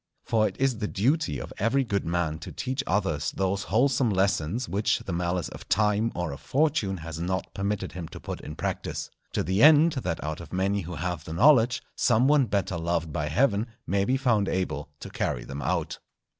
For it is the duty of every good man to teach others those wholesome lessons which the malice of Time or of Fortune has not permitted him to put in practice; to the end, that out of many who have the knowledge, some one better loved by Heaven may be found able to carry them out.